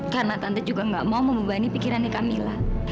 karena tante juga nggak mau memubahani pikirannya kamila